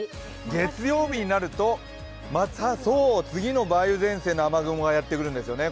月曜日になるとまた次の梅雨前線の雨雲がやってくるんですよね。